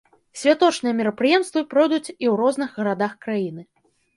Святочныя мерапрыемствы пройдуць і ў розных гарадах краіны.